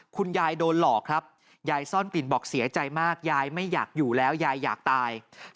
คุณยายโดนหลอกครับยายซ่อนกลิ่นบอกเสียใจมากยายไม่อยากอยู่แล้วยายอยากตาย